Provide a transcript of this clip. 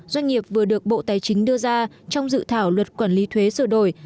doanh nghiệp vừa được bộ tài chính đưa ra trong dự thảo luật quản lý thuế sửa đổi